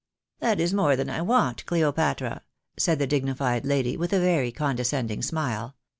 " That is more than I want, Cleopatra," said the dignified lady, with a very condescending smile.